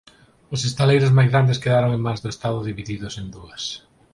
Os estaleiros máis grandes quedaron en mans do estado divididos en dúas.